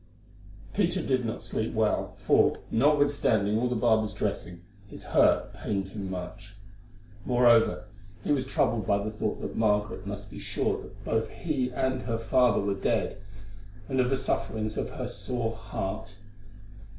Peter did not sleep well, for, notwithstanding all the barber's dressing, his hurt pained him much. Moreover, he was troubled by the thought that Margaret must be sure that both he and her father were dead, and of the sufferings of her sore heart.